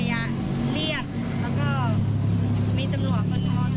แต่เค้าบอกว่าแกมีรูปประจำตัวรูปหัวใจ